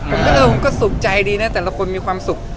ผมก็สุขใจดีนะแต่ละคนมีความสุข